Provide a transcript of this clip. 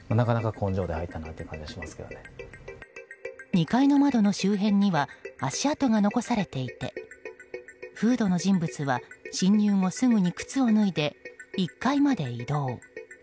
２階の窓の周辺には足跡が残されていてフードの人物は、侵入後すぐに靴を脱いで１階まで移動。